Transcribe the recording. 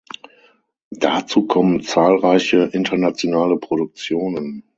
Dazu kommen zahlreiche internationale Produktionen.